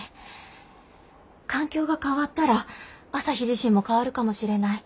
環境が変わったら朝陽自身も変わるかもしれない。